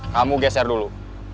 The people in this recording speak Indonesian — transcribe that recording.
kamu geser dulu